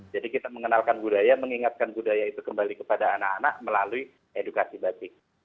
jadi kita mengenalkan budaya mengingatkan budaya itu kembali kepada anak anak melalui edukasi batik